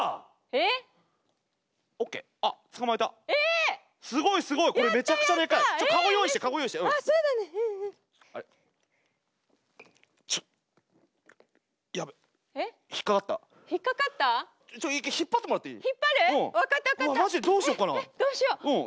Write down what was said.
えっえっどうしよう。